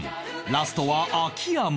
ラストは秋山